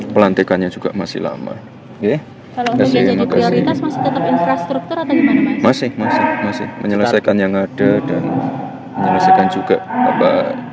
pelantikannya juga masih lama masih masih menyelesaikan yang ada dan menyelesaikan juga apa